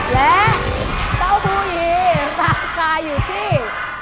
และเต้าหู้ยีราคาอยู่ที่